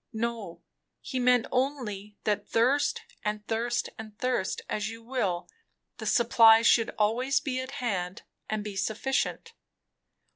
No, he meant only, that thirst and thirst and thirst as you will, the supply should always be at hand and be sufficient."